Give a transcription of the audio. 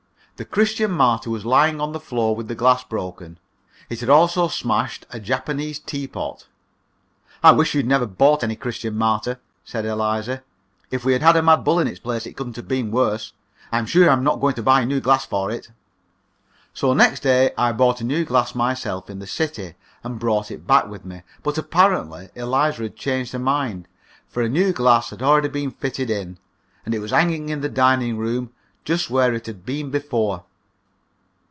The "Christian Martyr" was lying on the floor with the glass broken. It had also smashed a Japanese teapot. "I wish you'd never bought any 'Christian Martyr,'" said Eliza. "If we'd had a mad bull in the place it couldn't have been worse. I'm sure I'm not going to buy a new glass for it." So next day I bought a new glass myself in the city, and brought it back with me. But apparently Eliza had changed her mind, for a new glass had already been fitted in, and it was hanging in the dining room, just where it had been before.